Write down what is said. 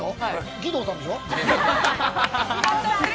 義堂さんでしょう。